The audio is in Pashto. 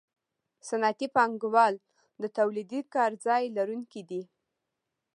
صنعتي پانګوال د تولیدي کارځای لرونکي دي